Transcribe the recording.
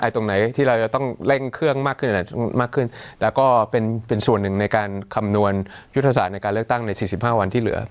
ตรงไหนที่เราจะต้องเร่งเครื่องมากขึ้นมากขึ้นแล้วก็เป็นส่วนหนึ่งในการคำนวณยุทธศาสตร์ในการเลือกตั้งใน๔๕วันที่เหลือ